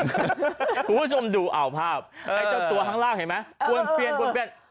คุณผู้ชมดูเอาภาพตัวข้างล่างเห็นไหมปุ่นเปลี่ยนปุ่นเปลี่ยน